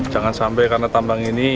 jangan sampai karena tambang ini